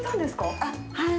あっ、はい。